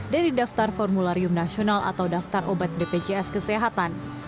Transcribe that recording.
dari daftar formularium nasional atau daftar obat bpjs kesehatan